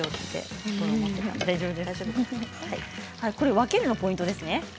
分けるのがポイントですね。